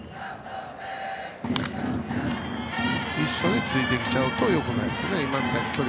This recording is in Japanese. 一緒についてきちゃうとよくないですね。